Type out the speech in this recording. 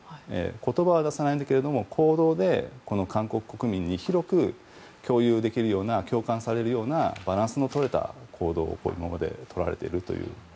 言葉は出さないんだけど行動で韓国国民に広く共有できるような共感されるようなバランスのとれた行動を今まで、とられているという。